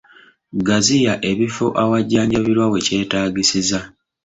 Gaziya ebifo awajjanjabirwa we kyetaagisiza.